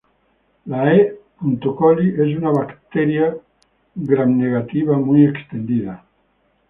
La "E. coli" es una bacteria gramnegativa muy extendida.